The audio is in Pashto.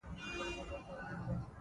تاریخ آل مظفر وایي اوغانیانو جالغ درلود.